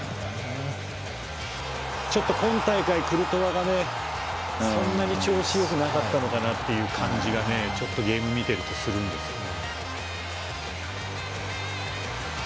今大会、クルトワがそんなに調子がよくなかったのかなという感じがゲームを見ているとするんですよね。